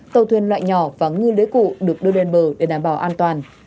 tàu thuyền loại nhỏ và ngư lưới cụ được đưa lên bờ để đảm bảo an toàn